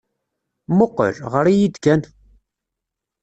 Mmuqqel, ɣer-iyi-d kan.